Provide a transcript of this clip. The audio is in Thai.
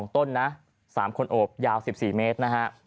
ต้นนะ๓คนโอบยาว๑๔เมตรนะฮะ